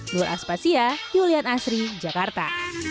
nur aspasya julian asri jakarta